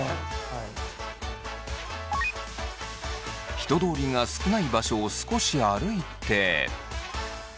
人通りが少ない場所を少し歩いて。